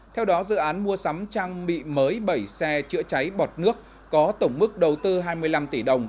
theo đó dự án mua sắm trang bị mới bảy xe chữa cháy bọt nước có tổng mức đầu tư hai mươi năm tỷ đồng